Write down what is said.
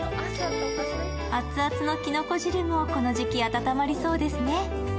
熱々のきのこ汁もこの時期、温まりそうですね。